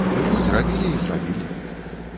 Ну, зрабілі і зрабілі.